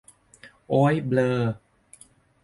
โอ้ยเบลอ